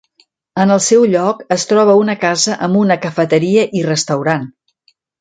En el seu lloc es troba una casa amb una cafeteria i restaurant.